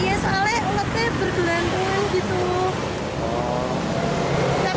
iya soalnya lebih bergelantungan gitu